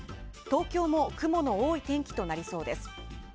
東京も雲の多い天気となりそうです。